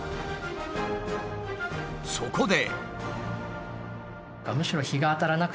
そこで。